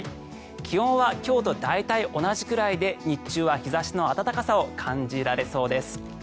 気温は今日と大体同じくらいで日中は日差しの暖かさを感じられそうです。